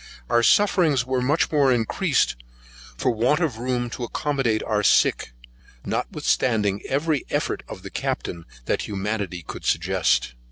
Our sufferings were much encreased, for want of room to accommodate our sick, notwithstanding every effort of the Captain that humanity could suggest.